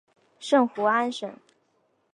圣胡安省。